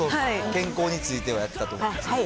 健康についてやってたと思い